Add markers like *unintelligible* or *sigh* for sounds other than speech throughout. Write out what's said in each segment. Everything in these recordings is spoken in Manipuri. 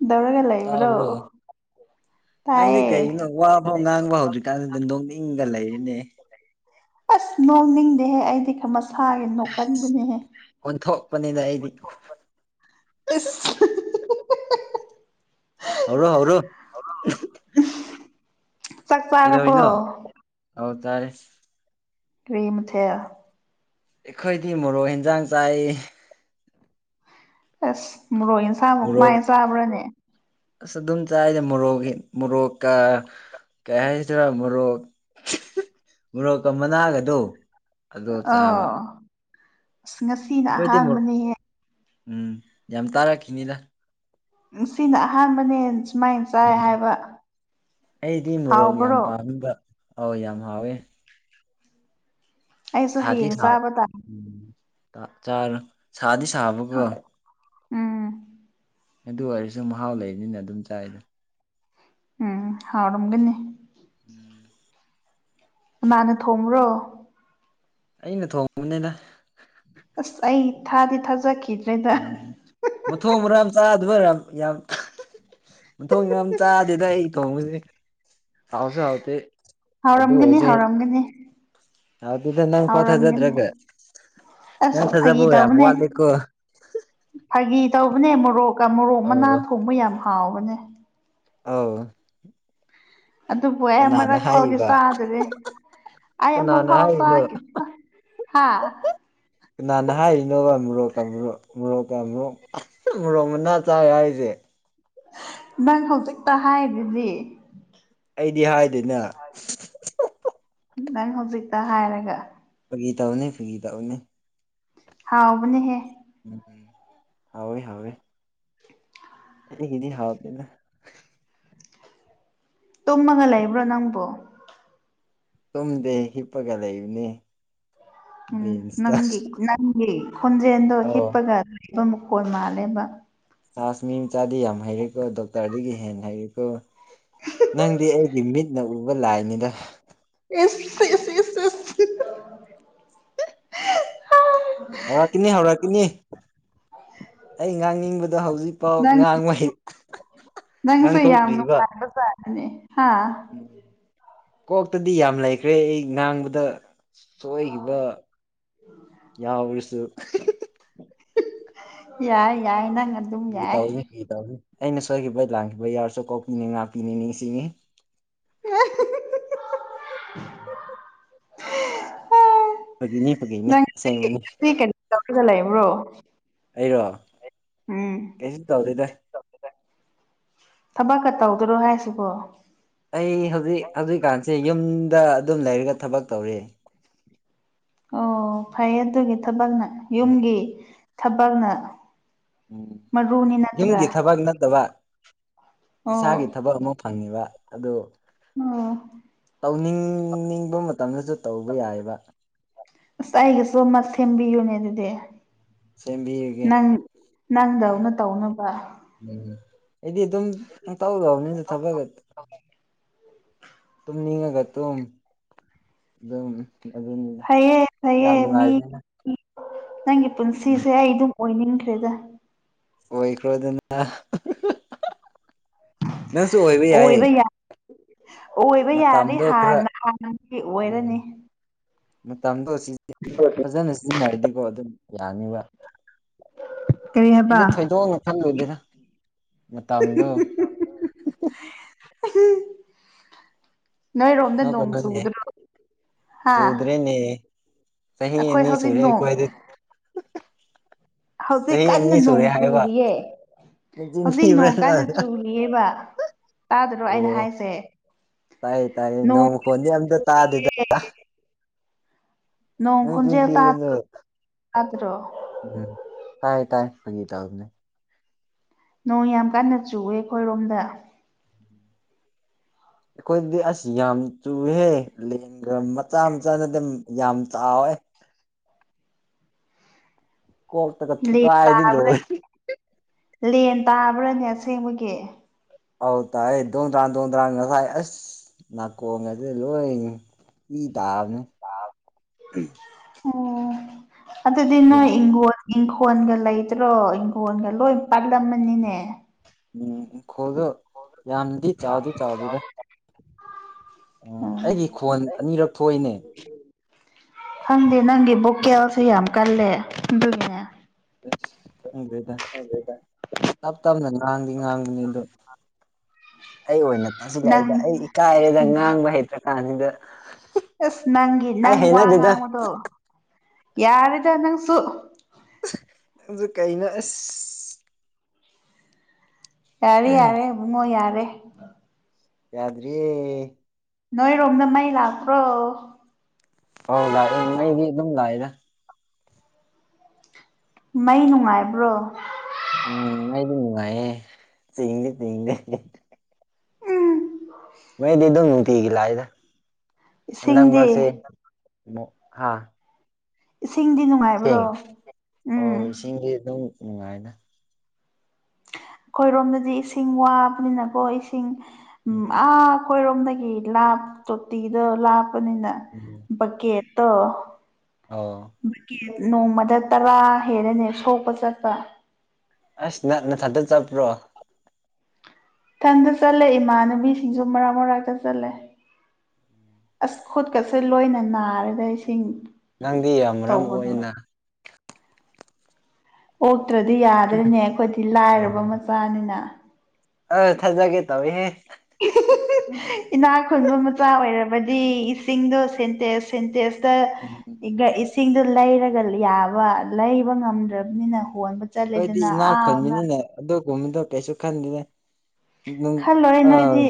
ꯀꯩꯗꯧꯔꯒ ꯂꯩꯕ꯭ꯔꯣ ꯇꯥꯕ꯭ꯔꯣ ꯅꯪꯗꯤ ꯀꯩꯒꯤꯅꯣ ꯇꯥꯏꯌꯦ ꯋꯥꯐꯥꯎ ꯉꯥꯡꯕ ꯍꯧꯗ꯭ꯔꯤꯀꯥꯟꯗꯨꯗꯣꯡ ꯏꯤꯡꯒ ꯂꯩꯔꯤꯅꯦ ꯑꯁ ꯅꯣꯡꯅꯤꯡꯗꯦꯍꯦ ꯑꯩꯗꯤ ꯈꯝꯃꯁ ꯁꯥꯒꯤ ꯅꯣꯛꯀꯟꯕꯅꯦꯍꯦ ꯑꯣꯟꯊꯣꯛꯄꯅꯤꯗ ꯑꯩꯗꯤ ꯏꯁ ꯍꯧꯔꯣ ꯍꯧꯔꯣ ꯆꯥꯛ ꯆꯥꯔꯕꯣ ꯀꯩꯗꯧꯅꯣ ꯑ ꯇꯥꯔꯦ ꯀꯔꯤ ꯃꯊꯦꯦꯜ ꯑꯩꯈꯣꯏꯗꯤ ꯃꯣꯔꯣꯛ ꯌꯦꯟꯖꯥꯡ ꯆꯥꯏ ꯑꯁ ꯃꯣꯔꯣꯏ ꯏꯟꯁꯥꯡꯃꯨꯛ ꯃꯣꯔꯣꯛ ꯃꯥꯏꯅ ꯆꯥꯕ꯭ꯔꯥꯅꯦ ꯑꯁ ꯑꯗꯨꯝ ꯆꯥꯏꯁ ꯃꯣꯔꯣꯛꯒꯤ ꯃꯣꯔꯣꯛꯀ ꯀꯩ ꯍꯥꯏꯁꯤꯔꯥ ꯃꯣꯔꯣꯛ ꯃꯣꯔꯣꯛꯀ ꯃꯅꯥꯒꯗꯣ ꯑꯗꯣ ꯆꯥꯕ ꯑꯥ ꯑꯁ ꯉꯁꯤꯅ ꯑꯩꯈꯣꯏꯗꯤ ꯃꯣꯔꯣꯛ ꯑꯍꯥꯟꯕꯅꯦꯍꯦ ꯎꯝ ꯌꯥꯝ ꯇꯥꯔꯛꯈꯤꯅꯤꯗ ꯁꯤꯅ ꯑꯍꯥꯟꯕꯅꯦ ꯁꯨꯃꯥꯏꯅ ꯆꯥꯏ ꯎꯝ ꯍꯥꯏꯕ ꯑꯩꯗꯤ ꯃꯣꯔꯣꯛ ꯌꯥꯝ ꯍꯥꯎꯕ꯭ꯔꯣ ꯄꯥꯝꯕ ꯑꯥꯎ ꯌꯥꯝ ꯍꯥꯎꯋꯦ ꯑꯩꯁꯨ ꯁꯥꯗꯤ ꯍꯌꯦꯡ ꯁꯥꯕ ꯆꯥꯕ ꯇꯥꯔꯦ ꯆꯔ ꯁꯥꯗꯤ ꯁꯥꯕ ꯀꯣ ꯎꯝ ꯑꯗꯨ ꯑꯣꯏꯔꯁꯨ ꯃꯍꯥꯎ ꯂꯩꯕꯅꯤꯅ ꯑꯗꯨꯝ ꯆꯥꯏꯗ ꯎꯝ ꯍꯎꯔꯝꯒꯅꯤ ꯎꯝ ꯏꯃꯥꯅ ꯊꯣꯡꯕ꯭ꯔꯣ ꯑꯩꯅ ꯊꯣꯡꯕꯅꯤꯅ ꯑꯁ ꯑꯩ ꯊꯥꯗꯤ ꯊꯥꯖꯈꯤ ꯎꯝ ꯃꯊꯣꯡ ꯃꯔꯝ ꯆꯥꯗꯕ ꯌꯥꯝ ꯌꯥꯝ ꯃ ꯊꯣꯡ ꯌꯥꯝ ꯆꯥꯗꯦꯗ ꯑꯩ ꯊꯣꯡꯕꯁꯦ ꯍꯥꯎꯁꯨ ꯍꯥꯎꯇꯦ ꯍꯥꯎꯔꯝꯒꯅꯤ ꯍꯥꯎꯔꯝꯒꯅꯤ ꯘ ꯅꯪ ꯍꯥꯎꯔꯝꯒꯅꯤ ꯐꯣꯊꯖꯗ꯭ꯔꯒ ꯅꯡ ꯑꯁ ꯐꯥꯒꯤ ꯊꯖꯕ ꯌꯥꯝ ꯇꯧꯕꯅꯦ ꯋꯠꯂꯦꯀꯣ ꯐꯥꯒꯤ ꯇꯧꯕꯅꯦ ꯃꯣꯔꯣꯛ ꯀꯃꯣꯔꯣꯛ ꯃꯅꯥ ꯊꯣꯡꯕ ꯌꯥꯝ ꯍꯥꯎꯕꯅꯦ ꯑꯥꯎ ꯑꯗꯨꯕꯨ ꯑꯩ ꯃꯔꯛ ꯐꯥꯎꯗꯤ ꯍꯥꯏꯔꯤꯕ ꯆꯥꯗꯦ ꯑꯃ ꯀꯅꯥꯅ ꯀꯁ ꯍꯥꯏꯔꯤꯅꯣ ꯍꯥꯥ ꯀꯅꯅꯥꯍꯥꯏꯅꯔꯣ ꯃꯣꯔꯣꯛ ꯃꯅꯥ ꯆꯔꯤꯔꯣ ꯍꯥꯢꯁꯦ ꯅꯪ ꯍꯧꯖꯤꯛꯇ ꯍꯥꯏꯗꯨꯗꯤ ꯑꯩꯗꯤ ꯍꯥꯏꯗꯣꯏꯅꯦ ꯅꯪ ꯍꯧꯖꯤꯛꯇ ꯍꯥꯏꯔꯒ ꯐꯒꯤꯇꯎꯅꯦ ꯐꯤꯒ ꯇ ꯎꯅꯦ ꯍꯥꯎꯕꯅꯦꯍꯦ ꯎꯝ ꯍꯣꯏ ꯍꯋ ꯏꯗꯤ ꯍꯥꯥꯎꯗꯗꯅ ꯇꯨꯝꯃꯒ ꯂꯩꯕ꯭ꯔꯣ ꯅꯪꯕꯨ ꯇꯝꯗꯦ ꯍꯤꯞꯄꯒꯗ ꯏꯅꯦ ꯎꯝ ꯅꯪꯒꯤ ꯅꯪꯒꯤ ꯈꯣꯟꯖꯦꯜꯑꯗꯨꯣ ꯑꯧ ꯍꯤꯄꯒ ꯂꯩꯕ ꯃꯈꯣꯜ ꯃꯥꯟꯂꯦꯕ ꯆꯖ ꯃꯤ ꯃꯆꯥꯗꯤ ꯌꯥꯝ ꯍꯩꯔꯦꯀꯣ ꯗꯣꯛꯇꯔꯗꯒꯤ ꯍꯦꯟꯅ ꯍꯩꯔꯦꯀꯣ ꯅꯪꯗꯤ ꯑꯩꯒꯤ ꯃꯤꯠꯅ ꯎꯕ ꯂꯥꯏꯅꯤꯗ ꯏꯁ ꯍꯧꯔꯛꯀꯅꯤ ꯍꯧꯔꯛꯀꯅꯤ ꯑꯩ ꯉꯥꯡꯅꯤꯡꯕꯗꯣ ꯍꯧꯖꯤꯛꯐꯥꯎ ꯅꯪ ꯉꯥꯡꯉꯩ ꯉꯥꯡ ꯊꯣꯛꯂꯇ꯭ꯔꯤꯁꯤꯕ ꯍꯥꯥ ꯀꯣꯛꯇꯗꯤ ꯌꯥꯝ ꯂꯩꯈ꯭ꯔꯦ ꯑꯩ ꯉꯥꯡꯕꯗ ꯁꯣꯏꯈꯤꯕ ꯌꯥꯎꯔꯁꯨ ꯌꯥꯏ ꯌꯥꯢ ꯐꯒꯤꯇꯧꯅꯦ ꯐꯒꯤꯇꯎ ꯑꯩꯅ ꯁꯣꯏꯈꯤꯕꯩ ꯂꯥꯟꯈꯤꯕ ꯌꯥꯔꯁꯨ ꯀꯣꯛꯄꯤꯅꯤ ꯉꯥꯄꯤꯅꯤ ꯅꯤꯡ ꯁꯤꯅꯤ ꯑ ꯐꯒꯤꯅꯤ ꯐꯒꯤꯅꯤ ꯅꯪ ꯉꯁꯤ ꯑꯁꯦꯡꯕꯅꯤ ꯉꯁꯤ ꯀꯩꯅꯣ ꯇꯧꯔꯒ ꯂꯩꯕ꯭ꯔꯣ ꯑꯩꯔꯣ ꯎꯝ ꯀꯩꯁꯨ ꯇꯧꯗꯦꯗꯥ ꯊꯕꯛꯀ ꯇꯧꯗꯔꯣ ꯍꯥꯏꯁꯤꯕꯣ ꯑꯩ ꯍꯧꯖꯤꯛ ꯍꯧꯖꯤꯛꯀꯥꯟꯁꯦ ꯌꯨꯝꯗ ꯑꯗꯨꯝ ꯂꯩꯔꯒ ꯊꯕꯛ ꯇꯧꯔꯤ ꯑꯣ ꯐꯩ ꯑꯗꯨꯒꯤ ꯊꯕꯛꯅ ꯎꯝ ꯌꯨꯝꯒꯤ ꯊꯕꯛꯅ ꯎꯝ ꯃꯔꯨꯅꯤ ꯅꯠꯇ꯭ꯔꯥ ꯌꯨꯝꯒꯤ ꯊꯕꯛ ꯅꯠꯇꯕ ꯏꯁꯥꯒꯤ ꯊꯕꯛ ꯑꯃ ꯐꯪꯉꯤꯕ ꯑꯗꯨꯣ ꯑ ꯇꯧꯅꯤꯡꯅꯤꯡꯕ ꯃꯇꯝꯗꯁꯨ ꯇꯧꯕ ꯌꯥꯏꯕ ꯑꯁ ꯑꯩꯒꯤꯁꯨ ꯑꯃ ꯁꯦꯝꯕꯤꯌꯨꯅꯦ ꯑꯗꯨꯗꯤ ꯁꯦꯝꯕꯤꯔꯒꯦ ꯅꯪ ꯅꯪꯗꯧꯅ ꯇꯧꯅꯕ ꯎꯝ ꯑꯩꯗꯤ ꯑꯗꯨꯝꯇꯧꯗꯕ ꯅꯁꯨ ꯊꯕꯒ ꯃꯤꯉ ꯀꯠꯇꯨ ꯑꯗꯨꯝ ꯑꯗꯨꯅꯤꯗ ꯐꯩꯌꯦ ꯐꯩꯌꯦ ꯌꯥꯝ ꯃꯤ ꯅꯨꯡꯉꯥꯏꯕꯅꯤꯅ ꯅꯪꯒꯤ ꯄꯨꯟꯁꯤꯁꯦ ꯑꯩ ꯑꯗꯨꯝ ꯑꯣꯏꯅꯤꯡꯈ꯭ꯔꯦꯗ ꯑꯣꯏꯈ꯭ꯔꯣ ꯑꯗꯨꯅ ꯅꯁꯨꯨ ꯑꯣꯏꯕ ꯌꯥꯌꯦ ꯑꯣꯏꯕ ꯌꯥꯔꯦ ꯍꯥꯟꯅ ꯍꯥꯟꯅ ꯎꯝ ꯑꯣꯏꯔꯅꯤ ꯃꯇꯝꯗꯣ ꯐꯖꯅ ꯁꯤꯖꯤꯟꯅꯔꯗꯤꯀꯣ ꯑꯗꯨꯝ ꯌꯥꯅꯤꯕ ꯀꯔꯤ ꯍꯥꯏꯕ ꯑꯩꯗꯤ ꯊꯣꯏꯗꯣꯛꯅ ꯈꯟꯂꯨꯗꯦꯗ ꯃꯇꯝꯗꯣ ꯅꯣꯏꯔꯣꯝꯗ ꯅꯣꯡ ꯅꯣꯛꯀꯅꯨꯅꯦ ꯆꯨꯗ꯭ꯔꯣ ꯍꯥ ꯆꯨꯗ꯭ꯔꯦꯅꯦ ꯆꯍꯤ ꯑꯩꯈꯣꯏ ꯑꯅꯤ ꯍꯧꯖꯤꯛ ꯁꯨꯔꯦ ꯅꯣꯡ ꯑꯩꯈꯣꯏꯗꯤ ꯍꯧꯖꯤꯛ ꯆꯍꯤ ꯀꯟꯅ ꯑꯅꯤ ꯅꯣꯡ ꯁꯨꯔꯦ ꯍꯥꯏꯕ ꯆꯨꯔꯤꯌꯦ ꯅꯆꯤꯟ ꯍꯧꯖꯤꯛ ꯊꯤꯕ꯭ꯔꯥ ꯅꯣꯡ ꯀꯥꯏꯗ ꯅꯪ ꯆꯨꯔꯤꯑꯕ ꯇꯥꯗꯔꯣ ꯑꯣ ꯑꯩꯅ ꯍꯥꯏꯁꯦ ꯇꯥꯏꯌꯦ ꯇꯥꯏꯌꯦ ꯅꯣꯡ ꯃꯈꯣꯟꯗꯤ ꯑꯝꯇ ꯇꯥꯗꯦꯗ ꯈꯣꯟꯖꯦꯜ ꯆꯤꯟꯇꯤꯝ ꯇꯥꯗ꯭ꯔꯣ ꯇꯥꯗ꯭ꯔꯣ ꯇꯥꯏ ꯇꯥꯏ ꯑꯪꯅꯤ ꯇꯕꯅꯦ ꯅꯣꯡ ꯌꯥꯝ ꯀꯟꯅ ꯆꯨꯑꯦ ꯑꯩꯈꯣꯏꯔꯣꯝꯗ ꯑꯩꯈꯣꯏꯗꯤ ꯑꯁ ꯌꯥꯝ ꯆꯨꯍꯦ ꯂꯦꯡꯒ ꯃꯆꯥ ꯃꯆꯥꯅꯗꯤ ꯌꯥꯝ ꯆꯥꯎꯥꯋꯦ *inaudible* ꯀꯣꯛꯣꯛ ꯇꯒ ꯂꯦꯟ ꯊꯨꯀꯥꯏꯗꯤ꯭ꯔꯣ ꯇꯥꯕ꯭ꯔꯥ ꯂꯦꯟ ꯇꯥꯕ꯭ꯔꯥꯅꯦ ꯑꯁꯦꯡꯕꯒꯤ ꯑꯧ ꯇꯥꯏ ꯑꯩ ꯗꯣꯡꯗ꯭ꯔꯥ ꯗꯣꯡꯗ꯭ꯔꯥ ꯉꯁꯥꯏ ꯑꯁ ꯅꯥꯀꯣꯡꯉꯁꯦ ꯂꯣꯏ ꯄ ꯇꯅ ꯑꯣꯝ ꯃꯗꯤꯅ ꯏ ꯏꯪꯈꯣꯣꯟꯒ ꯂꯩꯇ꯭ꯔꯣ ꯏꯪꯈꯣꯜꯒ ꯂꯣꯏ ꯄꯥꯥꯛꯂꯝꯃꯅꯤꯅꯦ ꯎꯝ ꯈꯣꯗꯣ ꯌꯥꯝꯗꯤ ꯆꯥꯎꯗꯤ ꯆꯥꯎꯗꯦꯗ ꯎꯝ ꯑꯩꯒꯤ ꯈꯣꯟ ꯑꯅꯤꯔꯛ ꯊꯣꯛꯏꯅꯦ ꯈꯪꯗꯦ ꯅꯪꯒꯤ ꯚꯣꯀꯦꯜꯁꯨ ꯌꯥꯝ ꯀꯜꯂꯦ ꯑꯗꯨꯅꯦ ꯑꯁ ꯈꯪꯗ꯭ꯔꯦꯗ ꯇꯞ ꯇꯞꯅ ꯉꯥꯡꯗꯤ ꯉꯥꯡꯗꯅꯤ ꯑꯗꯣ ꯑꯩ ꯑꯣꯏꯅ ꯅꯪ ꯇꯥꯁꯤꯜꯂꯏꯗ ꯑꯩ ꯏꯀꯥꯏꯔꯦꯗ ꯉꯥꯡꯕ ꯍꯩꯇ꯭ꯔ ꯀꯥꯟꯁꯤꯗ ꯑꯁ ꯅꯪꯒꯤ ꯑꯩ ꯅꯪ ꯋꯥ ꯍꯩꯅꯗꯦꯗ ꯉꯥꯡꯕꯗꯣ ꯌꯥꯔꯗ ꯅꯪꯁꯨ ꯅ ꯀꯩꯅꯣ ꯑꯁ ꯌꯥꯔꯦ ꯌꯥꯔꯦ ꯏꯕꯨꯡꯉꯣ ꯌꯥꯔꯦ ꯌꯥꯗ꯭ꯔꯤ ꯅꯣꯏꯔꯣꯝꯗ ꯃꯩ ꯂꯥꯛꯄ꯭ꯔꯣ ꯍ ꯂꯥꯛꯏꯉꯩꯗꯤ ꯑꯗꯨꯝ ꯂꯥꯛꯏꯗ ꯃꯩ ꯅꯨꯡꯉꯥꯏꯕ꯭ꯔꯣ ꯎꯝ ꯃꯗꯤꯅꯤꯉꯌꯦꯦ ꯆ ꯊ ꯎꯝ ꯃꯣꯏꯗꯤ ꯑꯗꯨꯝ ꯅꯨꯡꯇꯤꯒꯤ ꯂꯥꯛꯏꯗ ꯍꯟꯗꯛ ꯏꯁꯤꯡꯗꯤ ꯃꯔꯛꯁꯦ ꯍꯥꯥ ꯏꯁꯤꯡꯗꯤ ꯅꯨꯡꯉꯥꯏꯕ꯭ꯔꯣ ꯏꯦꯡ ꯎꯝ ꯑꯣ ꯏꯁꯤꯡꯁ ꯑꯗꯨꯝ ꯅꯨꯡꯉꯥꯏꯅ ꯑꯩꯈꯣꯏꯔꯣꯝꯗꯗꯤ ꯏꯁꯤꯡ ꯋꯥꯕꯅꯤꯅꯀꯣ ꯏꯁꯤꯡ ꯎ ꯎꯝ ꯑ ꯑꯩꯈꯣꯏꯔꯣꯝꯗꯒꯤ ꯂꯥꯞ ꯇꯣꯇꯤꯗꯣ ꯂꯥꯞꯄꯅꯤꯅ ꯎꯝ ꯕꯛꯀꯦꯠꯇꯣ ꯑꯣ ꯕꯛꯀꯦꯠ ꯅꯣꯡꯃꯗ ꯇꯔꯥ ꯍꯦꯟꯅꯅꯦ ꯁꯣꯛꯄ ꯆꯠꯄ ꯑꯁ ꯅ ꯅꯊꯟꯗꯠ ꯆꯠꯄ꯭ꯔꯣ ꯏꯊꯟꯗ ꯆꯠꯂꯦ ꯏꯃꯥꯟꯅꯕꯤꯁꯤꯡꯁꯨ ꯃꯔꯥꯛ ꯃꯔꯇ ꯆꯠꯂꯦ ꯑꯁ ꯈꯨꯣꯠꯀꯁꯦ ꯂꯣꯏꯅ ꯅꯥꯔꯒ ꯏꯁꯤꯡ ꯅꯪꯗꯤ ꯌꯥꯝ ꯃꯔꯝ ꯇꯧꯕꯗꯣ ꯑꯣꯏꯅ ꯑꯣꯇ꯭ꯔꯗꯤ ꯌꯥꯗ꯭ꯔꯔꯤꯅꯦ ꯑꯩꯈꯣꯏꯗꯤ ꯂꯥꯏꯔꯕ ꯎꯝ ꯃꯆꯥꯅꯤꯅ ꯑ ꯆꯖꯒꯦ ꯇꯕ ꯎ ꯏꯅꯥꯛ ꯈꯨꯟꯕ ꯃꯆꯥ ꯑꯣꯏꯔꯕꯗꯤ ꯏꯁꯤꯡꯗꯣ ꯁꯦꯟꯇꯦꯖ ꯑꯩꯈꯣꯏꯗꯤ ꯁꯦꯟꯇꯦꯖ ꯏꯁꯤꯡꯗꯨ ꯂꯩꯔꯒ ꯌꯥꯕ ꯂꯩꯕ ꯉꯝ ꯔꯕꯅꯤꯅ ꯍꯣꯟꯕ ꯆꯠꯂꯦꯗꯅ ꯑꯥꯅ ꯣꯃꯤꯗ ꯄꯦꯁꯨ ꯈꯥꯟꯗꯗ ꯈꯜꯂꯣꯏ ꯑ ꯅꯣꯏꯗꯤ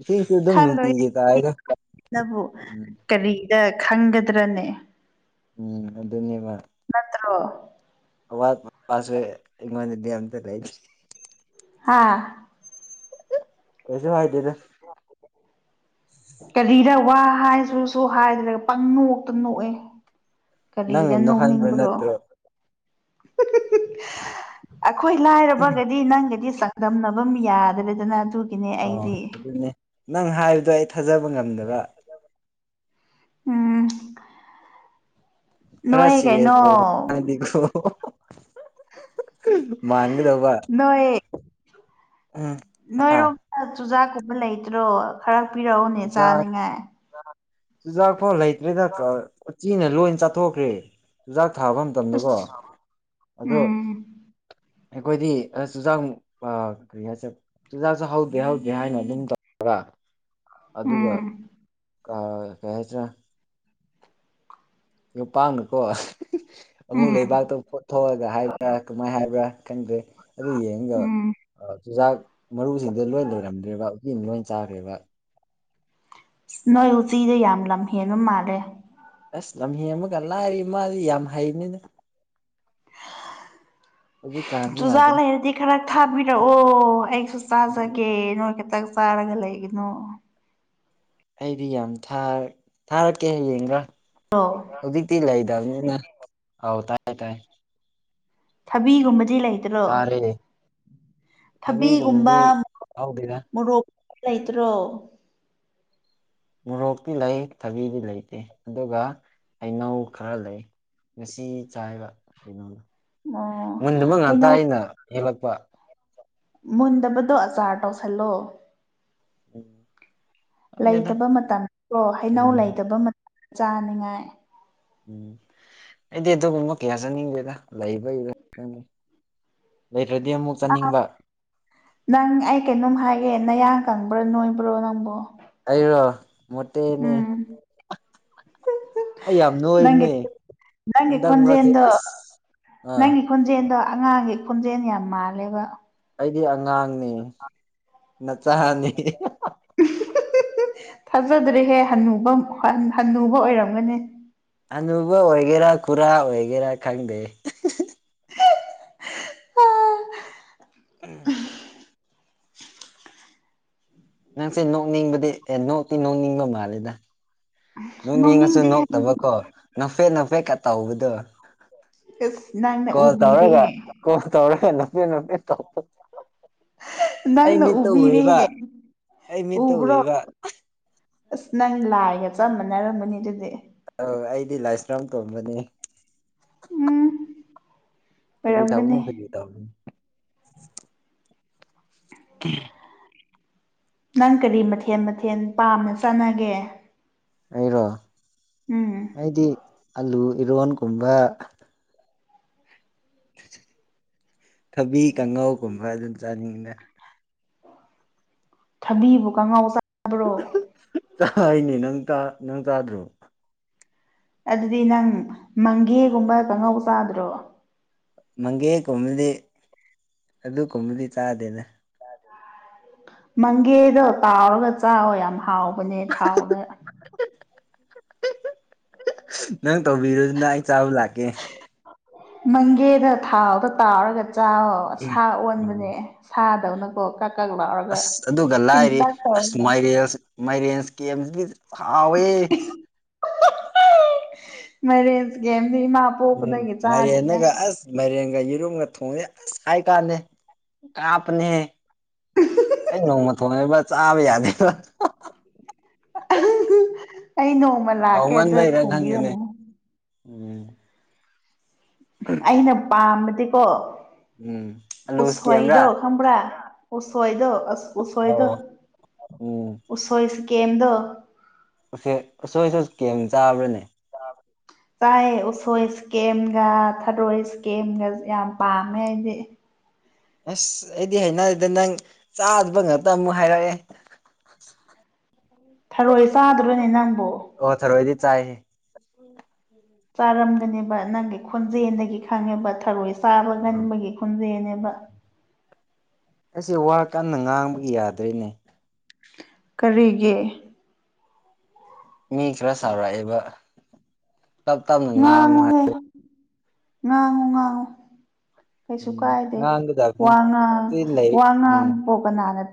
ꯏꯁꯤꯡꯁꯨ ꯑꯗꯨꯝ ꯈꯜꯂꯣꯏ ꯅꯨꯡꯇꯤꯒꯤ ꯇꯥꯏꯗ ꯅꯕꯨ ꯎꯝ ꯀꯔꯤ ꯑꯦ ꯈꯪꯒꯗ꯭ꯔꯅꯦ ꯎꯝ ꯀꯠꯇ꯭ꯔ ꯑꯋꯥ ꯄꯥꯁꯦ ꯏꯃꯅ ꯗꯦꯝ ꯇ ꯂꯩꯦ ꯍꯥꯥ ꯀꯁꯦ ꯐꯥꯏꯗꯦꯗ ꯀꯔꯤꯗ ꯋꯥ ꯍꯥꯏ ꯁꯁꯨ ꯍꯥꯏꯗ꯭ꯔꯒ ꯄꯪ ꯅꯣꯛꯇ ꯅꯣꯛꯑꯦ ꯅꯪꯅ ꯀꯂꯗ ꯅꯣꯛꯍꯟꯕ ꯇꯣꯅꯤꯕ꯭ꯔꯣ ꯅꯠꯇ꯭ꯔꯣ ꯑꯩꯈꯣꯏ ꯂꯥꯏꯔꯕꯒꯗꯤ ꯅꯪꯒꯗꯤ ꯆꯥꯡꯗꯝꯅꯕ ꯌꯥꯗ꯭ꯔꯦꯗꯅ ꯑꯗꯨ ꯑꯣ ꯑꯗꯨꯅꯦ ꯅꯪ ꯍꯥꯏꯕꯗꯣ ꯑꯩ ꯊꯥꯖꯕ ꯉꯝꯗꯕ ꯎꯝ ꯈꯔ ꯅꯣꯏ ꯀꯥꯏꯩꯅ ꯁꯤꯔꯤꯌꯁ ꯑꯣꯏꯅ ꯍꯥꯏꯗꯤꯀꯣ ꯃꯥꯡꯒꯗ ꯋꯥ ꯅꯣꯏ ꯍꯥ ꯅꯣꯏꯔꯣꯝꯗ ꯆꯨꯖꯥꯛꯀꯨꯝꯕ ꯂꯩꯇ꯭ꯔꯣ ꯈꯔ ꯍꯥꯥꯛꯄꯤꯔꯛꯎꯅꯦ ꯆꯥꯅꯤꯡꯉꯥꯏ ꯐꯥꯎ ꯂꯩꯇ꯭ꯔꯦꯗ ꯎꯆ ꯆꯤꯅ ꯂꯣꯏꯅ ꯆꯥꯊꯣꯛꯈ꯭ꯔꯦ ꯆꯨꯖꯥꯛ ꯊꯥꯕ ꯃꯇꯝꯗꯀꯣ ꯑꯁ ꯑꯣ ꯎꯝ ꯑꯩꯈꯣꯏꯗꯤ ꯑ ꯆꯨꯖꯥꯛ ꯀꯔꯤ ꯍꯥꯏꯁꯦ ꯆꯨꯖꯥꯛꯁꯦ ꯍꯧꯗꯦ ꯍꯧꯗꯦ ꯍꯥꯏꯅ ꯑꯗꯨꯝ ꯇꯧ ꯑꯗꯨꯒ ꯎꯝ ꯀꯩ ꯍꯥꯏꯁꯤ꯭ꯔꯥ ꯅꯨꯄꯥꯥꯡꯅꯀꯣ ꯑꯃꯨꯛ ꯎꯝ ꯂꯩꯕꯥꯛꯇꯣ ꯐꯣꯊꯣꯛꯑꯒ ꯍꯥꯏꯕ꯭ꯔꯥ ꯀꯃꯥꯏꯅ ꯍꯥꯏꯕ꯭ꯔꯥ ꯈꯪꯗ꯭ꯔꯦ ꯑꯗꯨ ꯌꯦꯡꯒ ꯎꯝ ꯆꯨꯖꯥꯛ ꯃꯔꯨꯁꯤꯡꯗ ꯂꯣꯏ ꯂꯩꯔꯝꯗ꯭ꯔꯦꯕ ꯂꯣꯏ ꯆꯥꯈ꯭ꯔꯦꯕ ꯅꯣꯏ ꯎꯆꯤꯗ ꯌꯥꯝ ꯂꯝ ꯍꯦꯟꯕ ꯃꯥꯜꯂꯦ ꯑꯁ ꯂꯝꯍꯤ ꯑꯃꯒ ꯂꯥꯏꯔꯤ ꯃꯥꯗꯤ ꯌꯥꯝ ꯍꯩꯅꯤꯅ ꯍꯧꯖꯤꯛꯀꯥꯟꯗꯤ ꯆꯨꯖꯥꯛ ꯌꯥꯗ꯭ꯔꯦ ꯂꯩꯔꯗꯤ ꯈꯔ ꯊꯥꯕꯤꯔꯛꯑꯣ ꯑꯩ ꯁꯨ ꯆꯥꯖꯒꯦ ꯅꯣꯏ ꯈꯤꯇꯪ ꯆꯥꯔꯒ ꯂꯩꯒꯅꯣ ꯑꯩꯗꯤ ꯌꯥꯝ ꯊꯥꯔꯛꯀꯦ ꯍꯌꯦꯡꯒ ꯑꯣ ꯍꯧꯖꯤꯛꯇꯤ ꯂꯩꯗꯕꯅꯤꯅ ꯑꯥꯎ ꯇꯥꯏ ꯇꯥꯏ ꯊꯕꯤꯒꯨꯝꯕ ꯁꯤꯖꯤ ꯂꯩꯇ꯭ꯔꯣ ꯇꯥꯔꯦ ꯊꯕꯤꯒꯨꯝꯕ ꯊꯕꯤꯒꯨꯝꯕꯗꯤ ꯍꯧꯗꯦꯗ ꯃꯣꯔꯣꯛ ꯂꯩꯇ꯭ꯔꯣ ꯃꯣꯔꯣꯛꯇꯤ ꯂꯩ ꯊꯕꯤꯗꯤ ꯂꯩꯇꯦ ꯑꯗꯨꯒ ꯍꯩꯅꯧ ꯈꯔ ꯂꯩ ꯉꯁꯤ ꯆꯥꯏꯕ ꯀꯩꯅꯣꯅ ꯑꯣ ꯃꯨꯟꯗꯨꯃ ꯉꯥꯛꯇ ꯍꯩꯅꯧ ꯑꯅ ꯍꯦꯜꯂꯛꯄ ꯃꯨꯟꯗꯕꯗꯣ ꯑꯆꯥꯔ ꯇꯧꯁꯜꯂꯣ ꯎꯝ ꯈꯪꯗꯦꯗ ꯂꯩꯇꯕ ꯃꯇꯝꯣ ꯍꯩꯅꯧ ꯎꯝ ꯂꯩꯇꯕ ꯃꯇꯝ ꯆꯥꯅꯤꯡꯉꯥꯏ ꯎꯝ ꯑꯩꯗꯤ ꯑꯗꯨꯒꯨꯝꯕ ꯀꯌꯥ ꯆꯠꯅꯤꯡꯒꯦꯗ ꯂꯩꯕꯩꯕꯪ *inaudible* ꯑ ꯅꯪ ꯑꯩ ꯀꯩꯅꯣꯝ ꯍꯥꯏꯒꯦ ꯅꯌꯥ ꯀꯪꯕ꯭ꯔꯣ ꯅꯣꯏꯕ꯭ꯔꯣ ꯅꯪꯕꯨꯣ ꯑꯩꯔꯣ ꯃꯣꯠꯇꯦꯅꯤ ꯑꯩ ꯌꯥꯝ ꯅꯪꯒꯤ ꯅꯣꯏꯅꯦ ꯅꯪꯒꯤ ꯑꯟꯗꯔ ꯃꯁꯤ ꯈꯣꯟꯖꯦꯜꯗꯣ ꯑꯁ ꯑꯥ ꯅꯪꯒꯤ ꯈꯣꯟꯖꯦꯜꯗꯣ ꯑꯉꯥꯡꯒꯤ ꯈꯣꯟꯖꯦꯜ ꯌꯥꯝ ꯃꯥꯜꯂꯦꯕ ꯑꯩꯗꯤ ꯑꯉꯥꯡ *inaudible* ꯅ ꯆꯍꯅꯤ ꯊꯥꯖꯗ꯭ꯔꯦꯍꯦ ꯍꯕ ꯍꯟꯅꯨꯕ ꯑꯣꯏꯔꯝꯒꯅꯤ ꯑꯅꯨꯧꯕ ꯑꯣꯏꯒꯦꯔꯥ ꯈꯨꯔꯥ ꯑꯣꯏꯒꯦꯔꯥ ꯈꯪꯗꯦ ꯎꯝ ꯅꯪꯁꯦ ꯅꯣꯛꯅꯤꯡꯕꯗꯤ ꯑꯦ ꯅꯣꯛꯇꯤ ꯅꯣꯛꯅꯤꯡꯕ ꯃꯥꯜꯂꯦꯗ ꯅꯅꯨꯡ ꯌꯦꯡꯉꯁꯨ ꯅꯣꯛꯅꯤꯡꯗꯦꯍꯦ ꯅꯣꯛꯇꯕꯀꯣ ꯅꯐꯦꯠ ꯅꯐꯦꯠ ꯀ ꯇꯥꯎꯕꯗꯣ ꯑꯁ ꯅꯪꯅ ꯀꯣꯜ ꯇꯧꯔꯒ ꯎꯕꯤꯔꯦꯍꯦ ꯀꯣꯜ ꯇꯧꯔꯒ ꯅꯄꯤꯦ ꯅꯄꯤꯦ ꯇ ꯅꯪꯅ ꯎꯕꯤꯔꯤꯍꯦ ꯑꯩ ꯃꯤꯠꯇ ꯎꯕ꯭ꯔꯣ ꯎꯏꯌꯦꯕ ꯑꯁ ꯅꯪ ꯂꯥꯏꯒ ꯆꯞ ꯃꯥꯟꯅꯔꯝꯃꯅꯤ ꯑꯗꯨꯗꯤ ꯑꯧ ꯑꯩꯗꯤ ꯂꯥꯏꯁ꯭ꯔꯝ ꯇꯣꯝꯕꯅꯤ ꯎꯝ ꯑꯩ ꯆꯕꯅꯦ ꯑꯣꯏꯔꯝꯒꯅꯤ ꯐꯒꯤ ꯇꯕꯅꯤ ꯎ ꯅꯪ ꯀꯔꯤ ꯃꯊꯦꯜ ꯃꯊꯦꯜ ꯄꯥꯝꯅ ꯆꯥꯅꯒꯦ ꯑꯩꯔꯣ ꯑꯩꯗꯤ ꯑꯂꯨ ꯏꯔꯣꯟꯒꯨꯝꯕ ꯊꯕꯤ ꯀꯥꯡꯉꯧꯒꯨꯝꯕ ꯑꯗꯨꯝ ꯆꯥꯅꯤꯡꯅ ꯊꯕꯤꯕꯨ ꯀꯉꯥꯎ ꯆꯥꯕ꯭ꯔꯣ ꯅꯤ ꯅꯪ ꯅꯪ ꯇꯥꯗ꯭ꯔꯣ ꯑꯗꯨꯗꯤ ꯅꯪ ꯃꯪꯒꯦꯒꯨꯝꯕ ꯀꯥꯡꯪꯉꯧ ꯆꯥꯗ꯭ꯔꯣ ꯃꯪꯒꯦꯒꯨꯝꯕꯗꯤ ꯑꯗꯨ ꯀꯨꯝꯕꯗꯤ ꯆꯥꯗꯦꯅꯦ ꯃꯪꯒꯦꯗꯣ ꯇꯥꯎꯔꯒ ꯆꯥꯛꯋ ꯌꯥꯝ ꯍꯥꯎꯋ ꯅꯦ ꯊꯥꯎꯗ ꯅꯪ ꯇꯧꯕꯤꯔꯨꯗꯨꯅ ꯑꯩ ꯆꯥꯕ ꯂꯥꯛꯀꯦ ꯃꯪꯒꯦꯗ ꯊꯥꯎꯗ ꯇꯥꯎꯔꯒ ꯆ ꯁꯥ ꯎꯝ ꯑꯣꯟꯕꯅꯦ ꯁꯥ ꯀꯣ ꯑꯁ ꯑꯗꯨꯒ ꯂꯥꯏꯔꯤ ꯑꯁ ꯇꯧꯔꯒ ꯃꯥꯏꯔꯦ ꯃꯥꯏꯔꯦꯟꯁ ꯀꯦꯝꯁꯤꯗꯤ ꯍꯥꯎꯋꯦ ꯃꯔꯦꯟꯁ ꯀꯦꯝꯗꯤ ꯏꯃꯥ ꯎꯝ ꯄꯣꯛꯄꯗꯒꯤ ꯆꯥꯅꯤꯅ ꯃꯥꯏꯔꯦꯟꯅꯒ ꯑꯁ ꯃꯥꯏꯔꯦꯟꯒ ꯌꯦꯔꯨꯝꯒ ꯊꯣꯡꯉꯦ ꯑꯁ ꯍꯥꯏ ꯀꯥꯟꯗꯦ ꯀꯥꯞꯅꯦ ꯑꯩ ꯅꯣꯡꯃ ꯊꯣꯡꯉꯕꯥ ꯆꯥꯕ ꯌꯥꯗꯦꯕ꯭ꯔꯥ ꯑꯩ ꯅꯣꯡꯃ ꯂꯥꯛꯀꯦ ꯑꯗꯨꯗ ꯍꯥꯎꯃꯟꯕꯩꯔ ꯈꯪꯗꯦꯅꯦ ꯊꯣꯡꯕꯤꯔꯝꯃꯣ ꯎꯝ ꯑꯩꯅ ꯄꯥꯝꯕꯗꯤꯀꯣ ꯎꯝ ꯑꯂꯨ ꯀꯦꯝꯔꯥ ꯎꯁꯋꯥꯩꯗꯣ ꯈꯪꯕ꯭ꯔꯥ ꯎꯁꯣꯏꯗꯣ ꯑꯁ ꯎꯁꯣꯏꯗ ꯑꯧ ꯎꯝ ꯎꯁꯣꯏ ꯁꯤꯀꯦꯝꯗꯣ ꯑꯁꯦ ꯑꯁꯣꯏ ꯑꯁꯣꯏ ꯀꯦꯝ ꯆꯥꯕ꯭ꯔꯅꯦ *unintelligible* ꯆꯥꯛ ꯎꯁꯣꯏ ꯏꯁꯀꯦꯝꯒ ꯊꯥꯔꯣꯏ ꯏꯁꯀꯦꯝꯒ ꯌꯥꯝ ꯄꯥꯝꯃꯦ ꯑꯩꯗꯤ ꯑꯁ ꯑꯩꯗꯤ ꯍꯥꯏꯩꯅꯔꯤꯗ ꯅꯪ ꯆꯥꯗꯕ ꯉꯇ ꯑꯃꯨꯛ ꯍꯥꯏꯔꯛꯑꯦ ꯊꯔꯣꯏ ꯆꯥꯗ꯭ꯔꯣꯅꯦ ꯅꯪꯕꯨꯣ ꯑꯣ ꯁꯔꯣꯗꯤ ꯆꯥꯏ ꯆꯥꯔꯝꯒꯅꯦꯕ ꯅꯪꯒꯤ ꯈꯣꯟꯖꯦꯜꯗꯒꯤ ꯈꯪꯉꯦꯕ ꯊꯔꯣꯏ ꯆꯥꯕ ꯉꯟꯕꯒꯤ ꯈꯣꯟꯖꯦꯜꯅꯦꯕ ꯝꯕ ꯑꯩꯁꯦ ꯋꯥ ꯀꯟꯅ ꯉꯥꯡꯕꯒꯤ ꯌꯥꯗ꯭ꯔꯤꯅꯦ ꯀꯔꯤꯒꯦ ꯃꯤ ꯈꯔ ꯁꯥꯎꯔꯛꯑꯦꯕ ꯇꯞ ꯇꯞꯅ ꯉꯥꯡꯨ ꯍꯥꯏꯦ ꯉꯥꯡ ꯉꯥꯡ ꯀꯩꯁꯨ ꯎꯝ ꯀꯥꯏꯗꯦ ꯉꯥꯡꯒꯗꯕꯅꯤ ꯋꯥ ꯉꯥꯡ ꯁꯤ ꯂꯩ ꯋꯥ ꯎꯝ ꯉꯥꯡ ꯄꯣꯕꯅꯥꯅꯠꯇ